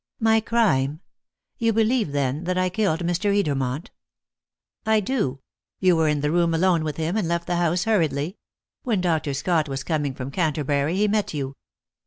"My crime! You believe, then, that I killed Mr. Edermont?" "I do. You were in the room alone with him, and left the house hurriedly. When Dr. Scott was coming from Canterbury he met you."